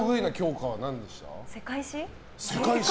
世界史。